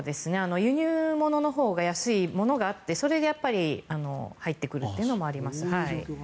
輸入物のほうが安いものがあってそれが入ってくるというのもあります。